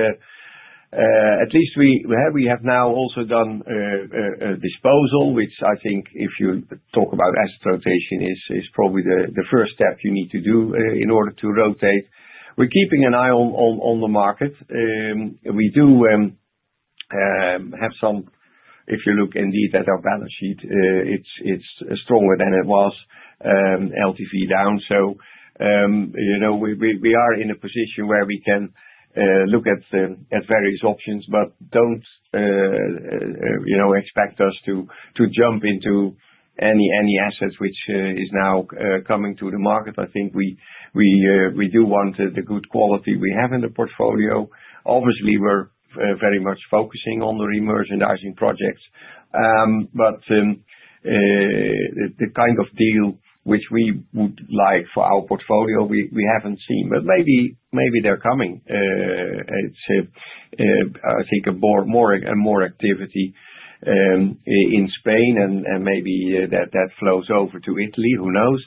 At least we have now also done a disposal, which I think if you talk about asset rotation is probably the first step you need to do in order to rotate. We're keeping an eye on the market. We do have some, if you look indeed at our balance sheet, it's stronger than it was, LTV down. You know we are in a position where we can look at various options, but don't expect us to jump into any assets which are now coming to the market. I think we do want the good quality we have in the portfolio. Obviously, we're very much focusing on the remerchandising projects. The kind of deal which we would like for our portfolio, we haven't seen. Maybe they're coming. I think more and more activity in Spain, and maybe that flows over to Italy. Who knows?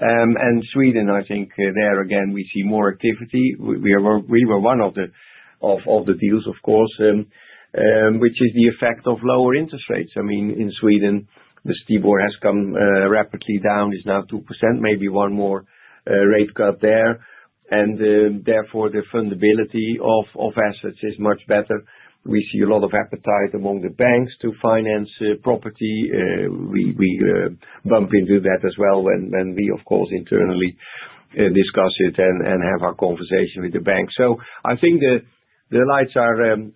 In Sweden, I think there again, we see more activity. We were one of the deals, of course, which is the effect of lower interest rates. I mean, in Sweden, the STIBOR has come rapidly down. It's now 2%. Maybe one more rate cut there. Therefore, the fundability of assets is much better. We see a lot of appetite among the banks to finance property. We bump into that as well when we, of course, internally discuss it and have our conversation with the banks. I think the lights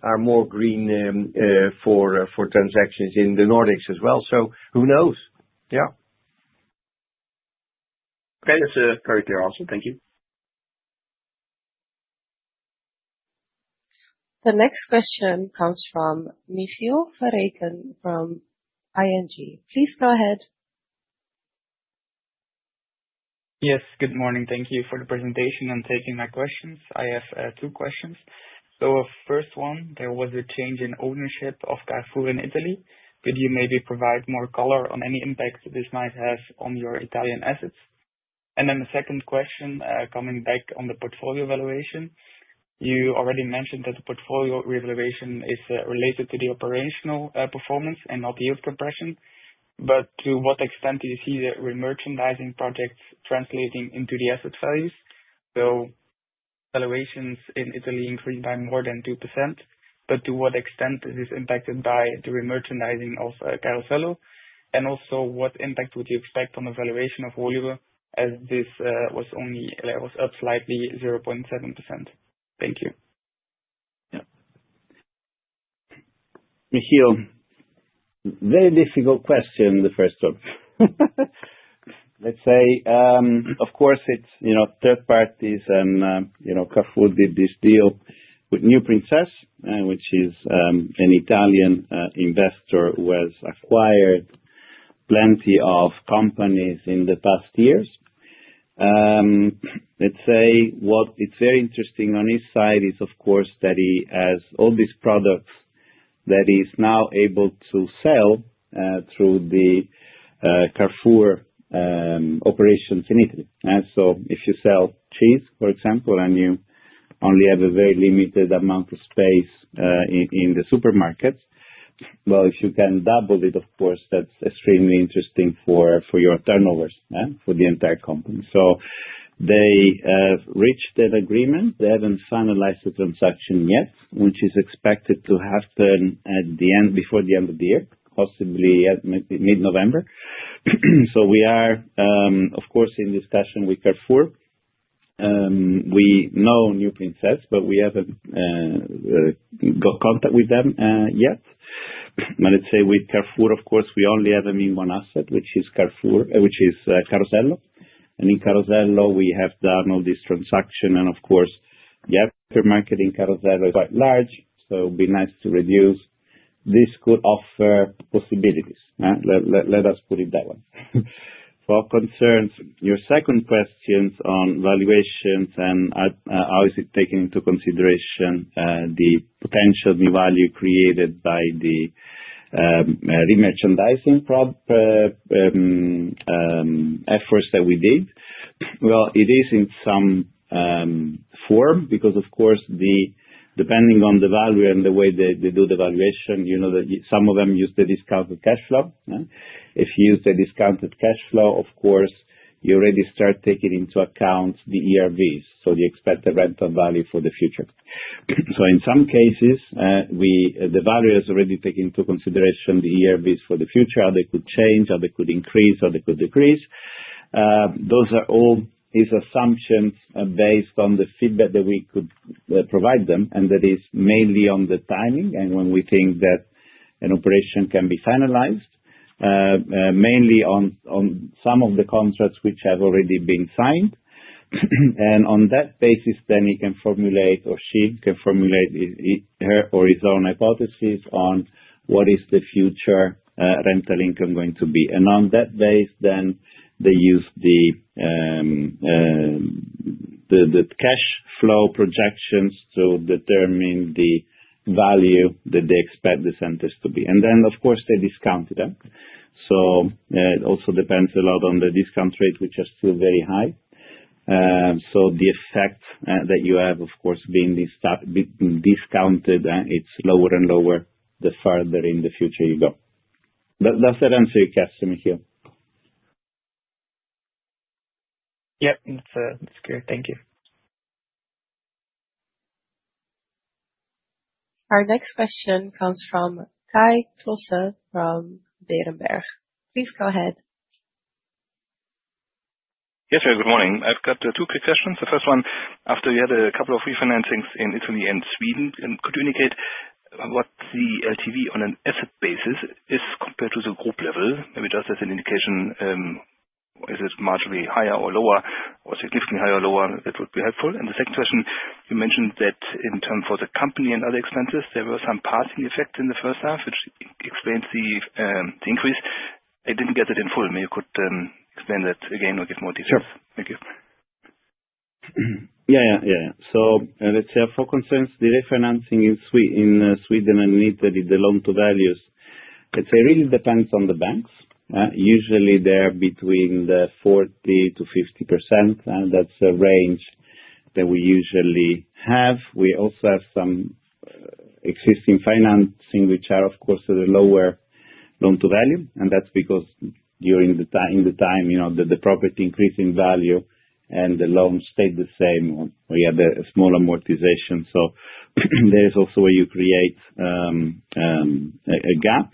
are more green for transactions in the Nordics as well. Who knows? Yeah, okay. That's a very clear answer. Thank you. The next question comes from Michiel Verhagen from ING. Please go ahead. Yes. Good morning. Thank you for the presentation and taking my questions. I have two questions. The first one, there was a change in ownership of Carrefour in Italy. Could you maybe provide more color on any impact this might have on your Italian assets? The second question, coming back on the portfolio valuation, you already mentioned that the portfolio revaluation is related to the operational performance and not the yield compression. To what extent do you see the remerchandising projects translating into the asset values? Valuations in Italy increased by more than 2%. To what extent is this impacted by the remerchandising of Carosello? Also, what impact would you expect on the valuation of Woluwe as this was only up slightly 0.7%? Thank you. Michiel, very difficult question, the first one. Let's say, of course, it's third parties, and Carrefour did this deal with New Princess, which is an Italian investor who has acquired plenty of companies in the past years. What's very interesting on his side is, of course, that he has all these products that he is now able to sell through the Carrefour operations in Italy. If you sell cheese, for example, and you only have a very limited amount of space in the supermarkets, if you can double it, that's extremely interesting for your turnovers for the entire company. They reached that agreement. They haven't finalized the transaction yet, which is expected to happen before the end of the year, possibly mid-November. We are, of course, in discussion with Carrefour. We know New Princess, but we haven't got contact with them yet. With Carrefour, of course, we only have them in one asset, which is Carosello. In Carosello, we have done all this transaction. Per market in Carosello is quite large. It would be nice to reduce. This could offer possibilities. Let us put it that way. For our concerns, your second question is on valuations and how is it taken into consideration the potential value created by the remerchandising efforts that we did. It is in some form because, of course, depending on the value and the way they do the valuation, you know that some of them use the discounted cash flow. If you use the discounted cash flow, you already start taking into account the ERVs, so the expected rental value for the future. In some cases, the value is already taken into consideration, the ERVs for the future. How they could change, how they could increase, how they could decrease. Those are all assumptions based on the feedback that we could provide them. That is mainly on the timing and when we think that an operation can be finalized, mainly on some of the contracts which have already been signed. On that basis, then he can formulate or she can formulate her or his own hypothesis on what is the future rental income going to be. On that base, then they use the cash flow projections to determine the value that they expect the centers to be. Then, of course, they discount it up. It also depends a lot on the discount rate, which is still very high. The effect that you have, of course, being discounted, it's lower and lower the further in the future you go. Does that answer your question, Michiel? Yep, that's clear. Thank you. Our next question comes from Kai Klose from Berenberg. Please go ahead. Yes, good morning. I've got two quick questions. The first one, after we had a couple of refinancings in Italy and Sweden, could you indicate what the LTV on an asset basis is compared to the group level? Maybe just as an indication, is it marginally higher or lower? If you give me higher or lower, that would be helpful. The second question, you mentioned that in terms for the company and other expenses, there were some passing effects in the first half, which explains the increase. I didn't get that in full. Maybe you could explain that again or give more details. Thank you. Let's say for concerns, the refinancing in Sweden and in Italy, the loan-to-values really depend on the banks. Usually, they're between the 40%-50%. That's the range that we usually have. We also have some existing financing which are, of course, at a lower loan-to-value. That's because during the time, you know, the property increased in value and the loan stayed the same. We had a small amortization. There's also where you create a gap.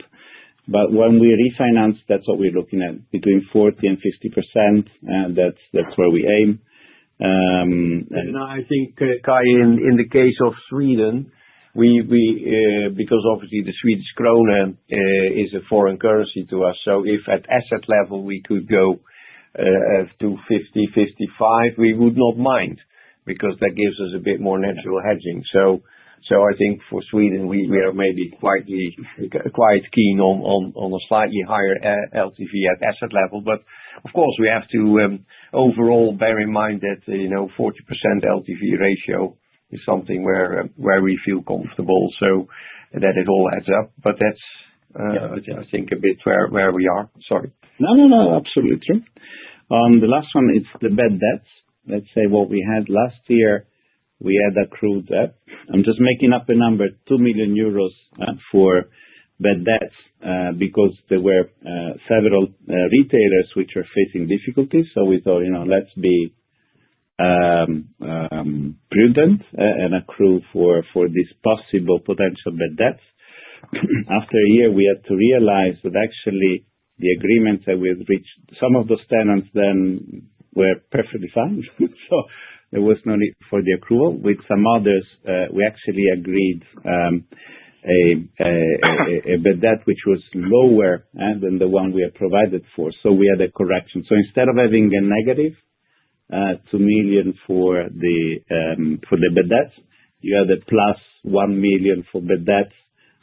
When we refinance, that's what we're looking at, between 40% and 50%. That's where we aim. No, I think, Kai, in the case of Sweden, because obviously the Swedish krona is a foreign currency to us. If at asset level we could go to 50%, 55%, we would not mind because that gives us a bit more natural hedging. I think for Sweden, we are maybe quite keen on a slightly higher LTV at asset level. Of course, we have to overall bear in mind that, you know, 40% LTV ratio is something where we feel comfortable so that it all adds up. That's, I think, a bit where we are. Sorry. No, no, no, absolutely true. The last one is the bad debts. Let's say what we had last year, we had accrued, I'm just making up a number, 2 million euros for bad debts because there were several retailers which were facing difficulties. We thought, you know, let's be prudent and accrue for these possible potential bad debts. After a year, we had to realize that actually the agreements that we had reached, some of those tenants then were perfectly fine. There was no need for the accrual. With some others, we actually agreed a bad debt which was lower than the one we had provided for. We had a correction. Instead of having a -2 million for the bad debts, you had a +1 million for bad debts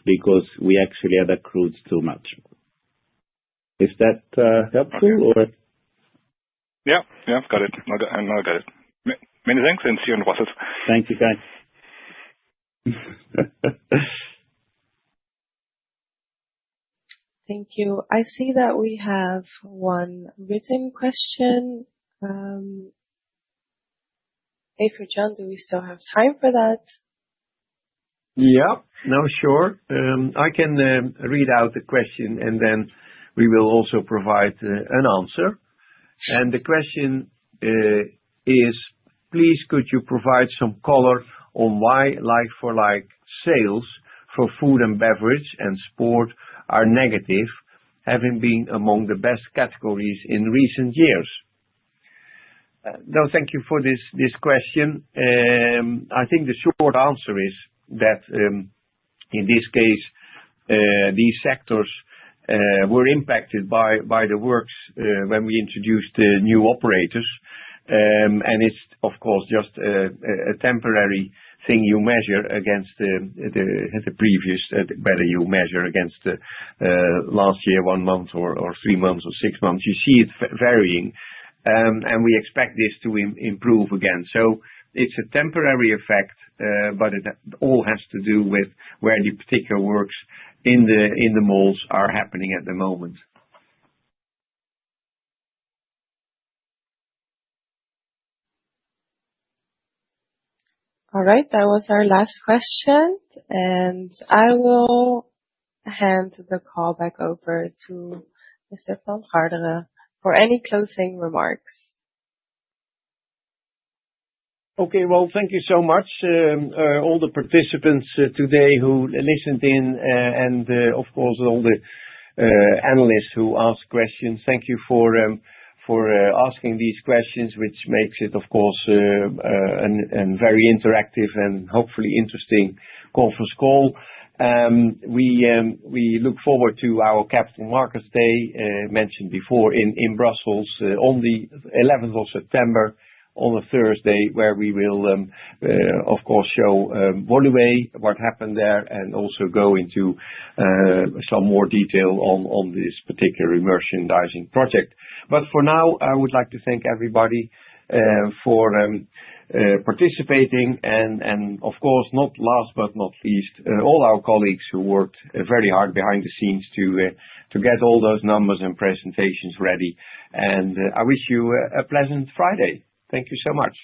because we actually had accrued too much. Is that helpful or? Yeah, I've got it. No, I got it. Many thanks and see you on the process. Thank you, Kai Klose. Thank you. I see that we have one written question. Evert Jan, do we still have time for that? Yeah. No, sure. I can read out the question, and then we will also provide an answer. The question is, please, could you provide some color on why like-for-like sales for food and beverage and sport are negative, having been among the best categories in recent years? No, thank you for this question. I think the short answer is that in this case, these sectors were impacted by the works when we introduced the new operators. It's, of course, just a temporary thing. You measure against the previous, whether you measure against the last year, one month, or three months, or six months. You see it varying. We expect this to improve again. It's a temporary effect, but it all has to do with where the particular works in the malls are happening at the moment. All right. That was our last question. I will hand the call back over to Mr. Evert Jan van Garderen for any closing remarks. Thank you so much to all the participants today who listened in, and of course, all the analysts who asked questions. Thank you for asking these questions, which makes it, of course, a very interactive and hopefully interesting conference call. We look forward to our Capital Markets Day, mentioned before, in Brussels, on the 11th of September, on a Thursday, where we will, of course, show Woluwe, what happened there, and also go into some more detail on this particular remerchandising project. For now, I would like to thank everybody for participating. Of course, not last but not least, all our colleagues who worked very hard behind the scenes too. Get all those numbers and presentations ready, and I wish you a pleasant Friday. Thank you so much.